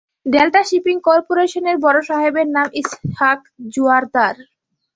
Delta shipping করপোরেশনের বড়সাহেবের নাম ইসহাক জোয়ারদার।